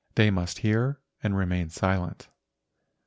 They must hear and remain silent.